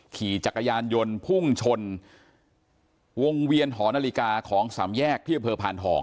ขี่จักรยานยนต์พุ่งชนวงเวียนหอนาฬิกาของสามแยกที่อำเภอพานทอง